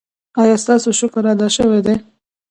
ایا ستاسو شکر ادا شوی دی؟